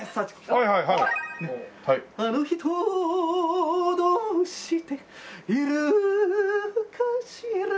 「あの人どうしているかしら」